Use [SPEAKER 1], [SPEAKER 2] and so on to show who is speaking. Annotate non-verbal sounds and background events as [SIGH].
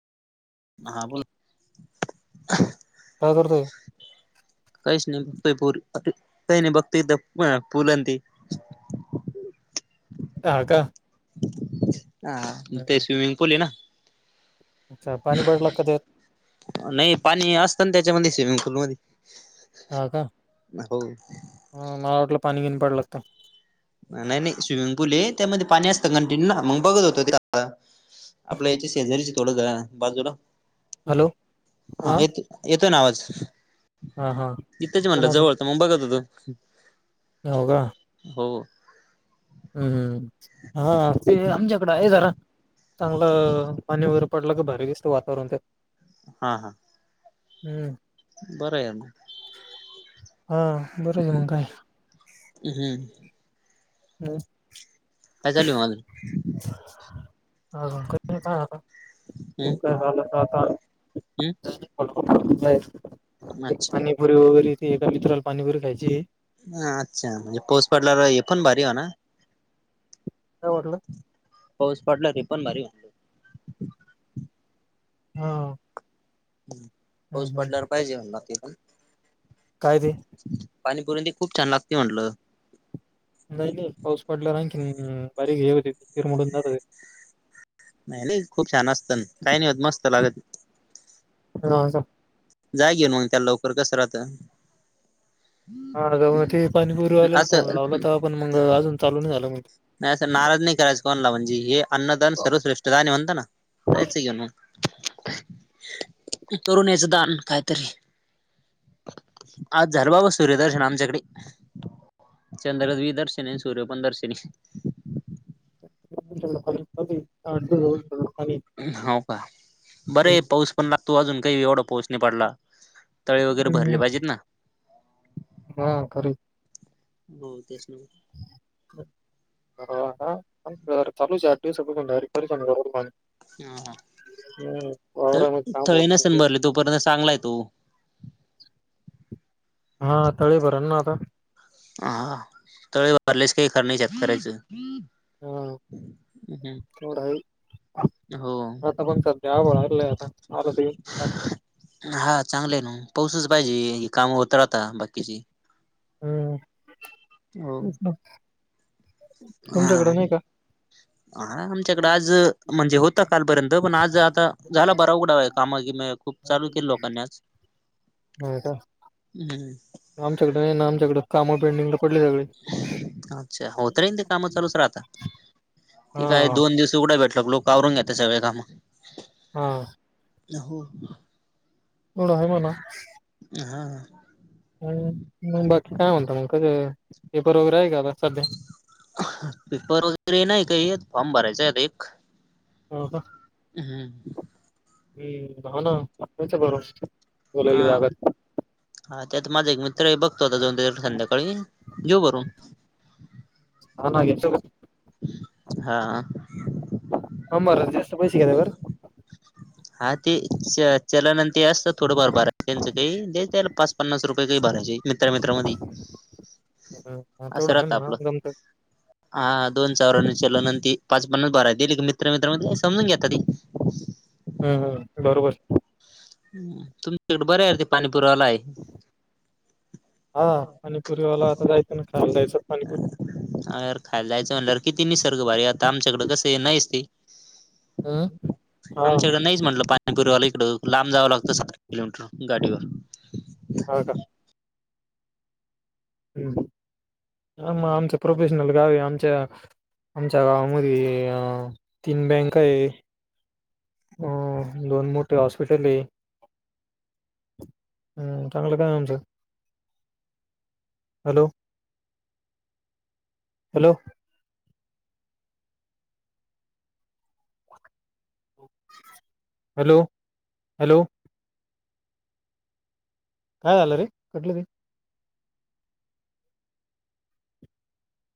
[SPEAKER 1] हां बोल
[SPEAKER 2] काय करतोय?
[SPEAKER 1] काहीच नाही बघतोय प काही नाही बघत इथं ह फुल आण ते
[SPEAKER 2] हा का
[SPEAKER 1] हा ते स्विमिंग पूल आहे ना
[SPEAKER 2] अच्छा पाणी बडला कधी
[SPEAKER 1] नाही पाणी असतं ना त्याच्यामध्ये स्विमिंग पूल मध्ये
[SPEAKER 2] हा का
[SPEAKER 1] हो
[SPEAKER 2] मला वाटलं पाणी, बिनी पडल का काय
[SPEAKER 1] नाही, नाही स्विमिंग पूल आहे त्यामध्ये पाणी असतं कंटिन्यू ना मग बघत होत आपल्या याच्या शेजारीची थोडं घर बाजूला
[SPEAKER 2] हॅलो
[SPEAKER 1] हा येत येतोय ना आवाज
[SPEAKER 2] हा हा
[SPEAKER 1] इथंच
[SPEAKER 2] मला
[SPEAKER 1] म्हणलं
[SPEAKER 2] वाटलं
[SPEAKER 1] जवळ मु बगत होतो
[SPEAKER 2] हो का
[SPEAKER 1] हो
[SPEAKER 2] हम् हा ते आमच्याकडं आहे जरा चांगलं पानी र पडलं क भारी दिसत वातावरण ते
[SPEAKER 1] हा, हा
[SPEAKER 2] हम्म
[SPEAKER 1] बरं आहे आता
[SPEAKER 2] हा बरय मग काय
[SPEAKER 1] हम्म काय चालू आहे मग अजून
[SPEAKER 2] [UNINTELLIGIBLE]
[SPEAKER 1] हम
[SPEAKER 2] ता आता [UNINTELLIGIBLE]
[SPEAKER 1] अच्छा
[SPEAKER 2] पाणीपुरी वगैरे ते एका मित्राल पाणी पुरी खायचीय
[SPEAKER 1] ह अच्छा म्हणजे पाऊस पडलावर हे पण भारी वा ना
[SPEAKER 2] काय वाटलं?
[SPEAKER 1] पाऊस पडला ते पण भारी
[SPEAKER 2] हाव
[SPEAKER 1] हम्म, पाऊस पडल्यावर पाहिजे म्हणार ते पण.
[SPEAKER 2] काय तेे?
[SPEAKER 1] पाणीपुरणली खूप छान लागते म्हणलं.
[SPEAKER 2] नाही, नाही पाऊस पडला नाही की आणखीन, बारीक हे होतय ते, तिरमडून जात्यात.
[SPEAKER 1] नाही, नाही खूप छान असतन, काय नाही होत मस्त लागत.
[SPEAKER 2] हां.
[SPEAKER 1] जाय घेऊन मंग, त्याला लवकर कसं राहतंन.
[SPEAKER 2] हा मग ते पाणीपुरी आल्याला फोन
[SPEAKER 1] असं
[SPEAKER 2] लावलाता, पण मंग अजून चालू नाही झालं म्हग.
[SPEAKER 1] नाही अस नाराज नाही करायचं कोणला, म्हणजे हे अन्नदान सर्वश्रेष्ठदान हाय म्हणत ना. जायच घेऊन मंग. करून यायचं दान, कायतरी. आज झालं बाबा सूर्यदर्शन आमच्याकडे. चंद्र बी दर्शिनी हाय, सूर्य पण दर्शिनी.
[SPEAKER 2] तुमच्याकडे पाणी चालू आहे? आठ दिवस झाले तुमच्याकडे पाणी
[SPEAKER 1] हाव का.
[SPEAKER 2] आहे.
[SPEAKER 1] बरे पाऊस पण लागतो अजून काही एवढा पाऊस नाही पडला, तळे वगैरे भरले
[SPEAKER 2] हम्म
[SPEAKER 1] पाहिजेत ना.
[SPEAKER 2] हा, खरीच.
[SPEAKER 1] हो तेच नव्ह.
[SPEAKER 2] [UNINTELLIGIBLE] [UNINTELLIGIBLE]
[SPEAKER 1] हा, हा
[SPEAKER 2] हम्म
[SPEAKER 1] त,
[SPEAKER 2] वावरामध्ये काम होत
[SPEAKER 1] थळी
[SPEAKER 2] नाही
[SPEAKER 1] नसेन
[SPEAKER 2] काही नाही.
[SPEAKER 1] भरले तोपर्यंत चांगलाय तो.
[SPEAKER 2] हा तळे भरणं ना आता?
[SPEAKER 1] हा, तळे भरलेस काही खर नाही शेत करायचं.
[SPEAKER 2] हो. तेवढा हाय,
[SPEAKER 1] हो
[SPEAKER 2] आता पण सध्या आभाळ आलेलंय आता, आता ते.
[SPEAKER 1] हा चांगले आहे नवं, पाऊसच पाहिजे काम होत राहता बाकीची.
[SPEAKER 2] हम्
[SPEAKER 1] हो
[SPEAKER 2] तेच ना, तुमच्याकडे नाही का?
[SPEAKER 1] हाय आमच्याकड आज, म्हणजे
[SPEAKER 2] नाही
[SPEAKER 1] होता कालपर्यंत पण आज आता, झाला बरा उघडावा आहे कामा गिम खूप. चालू केलं लोकांनी आज.
[SPEAKER 2] होय का.
[SPEAKER 1] हम्म.
[SPEAKER 2] आमच्याकड नाही ना, आमच्याकड काम पेंडिंग र कुठले सगळे?
[SPEAKER 1] अच्छा, होत रे ते काम चालूच राहता. ती काय
[SPEAKER 2] हा
[SPEAKER 1] दोन दिवस उघडं भेटला की, लोक आवरून घेत सगळे काम.
[SPEAKER 2] हा.
[SPEAKER 1] य हो.
[SPEAKER 2] तेवढ आहे म्हणा.
[SPEAKER 1] हा.
[SPEAKER 2] ह, मग बाकी काय म्हणता मंग, कस पेपर वगैरे आहे का आता, सध्या.
[SPEAKER 1] पेपर वगैरे हे नाही काही येत, फॉर्म भरायचं आहे एक.
[SPEAKER 2] हो का.
[SPEAKER 1] हम्म.
[SPEAKER 2] हम्म, हा ना यायचं भरून.
[SPEAKER 1] हा, हा त्यात माझा एक मित्र हाय, बघतो आता जाऊन त्याच्याकडं संध्याकाळी. घेऊ भरून?
[SPEAKER 2] हा ना, [UNINTELLIGIBLE]
[SPEAKER 1] हा.
[SPEAKER 2] फॉर्म भरायला जास्त पैसे [UNINTELLIGIBLE] बर.
[SPEAKER 1] हा, ते च चलन अन् ते असत्यात थोडंफार भार त्यांच ते देत्याल पाच, पन्नास रुपये काही भारायचे. मित्रा-मित्रा मधी,
[SPEAKER 2] बरं हा
[SPEAKER 1] असं
[SPEAKER 2] तेवढं आहे
[SPEAKER 1] राहत
[SPEAKER 2] म्हणा
[SPEAKER 1] आपलं.
[SPEAKER 2] जमतं
[SPEAKER 1] हा, दोन [UNINTELLIGIBLE] चलन अन् ते पाच पन्नास भराय दिली मित्र, मित्र मधी समजून घेता ते.
[SPEAKER 2] हं, हं बरोबर.
[SPEAKER 1] तुमच्याकडे बराय आहे ते, पाणी पुुरीवाला आहे.
[SPEAKER 2] हा, पाणीपुरीवाला आता जायचं ना, खायला द्यायचं पाणीपूरी.
[SPEAKER 1] अर खायला जायचं म्हणल्यावर, किती निसर्ग भारी आता आमच्याकडे कसे नाहीस ते.
[SPEAKER 2] [UNINTELLIGIBLE] हा.
[SPEAKER 1] आमच्याकडे नाहीच म्हटलं, पाणीपुरीवाला इकडं लांब जावं लागतं, सतरा किलोमीटर गाडीवर.
[SPEAKER 2] होय का? हं. म आमच प्रोफेशनल गावी आमच्या आमच्या गावामध्ये तीन बँका आहे. अ दोन मोठे हॉस्पिटल आहे. हं, चांगला काम [UNINTELLIGIBLE] तुमचं. हॅलो? हॅलो? हॅलो? हॅलो? काय झालं रे? कटलं रे.